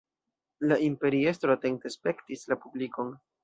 La imperiestro atente spektis la publikon.